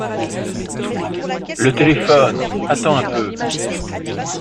Le téléphone ! attends un peu…